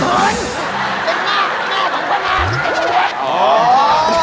แม่หน้าของพ่อหน้า